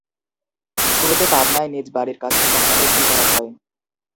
শুরুতে পাবনায় নিজ বাড়ির কাছেই কোম্পানির কি করা হয়?